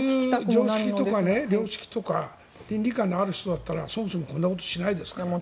そういう常識とか良識とか倫理感のある人だったらそもそもこんなことしないですから。